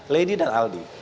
lady dan aldi